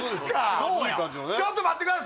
そうやちょっと待ってください